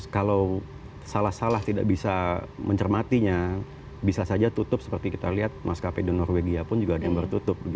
kalau salah salah tidak bisa mencermatinya bisa saja tutup seperti kita lihat maskapai di norwegia pun juga ada yang bertutup